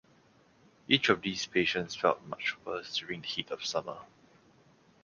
Each of these patients felt much worse during the heat of summer.